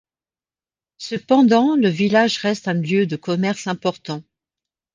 Cependant le village reste un lieu de commerce important.